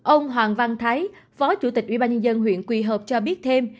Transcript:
ông hoàng văn thái phó chủ tịch ubnd huyện quỳ hợp cho biết thêm